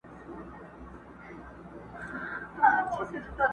کور پاته سی ځان کورنی او ټولنه مو وژغوری؛؛!